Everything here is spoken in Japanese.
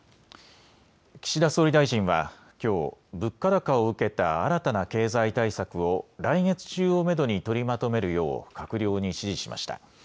岸田総理大臣はきょう物価高を受けた新たな経済対策を来月中をめどに取りまとめるよう閣僚に指示しました。